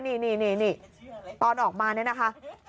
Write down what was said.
นี่ตอนออกมาเนี่ยนะคะ